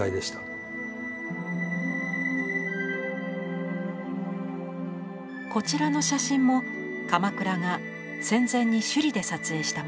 こちらの写真も鎌倉が戦前に首里で撮影したものです。